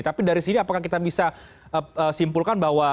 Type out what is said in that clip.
tapi dari sini apakah kita bisa simpulkan bahwa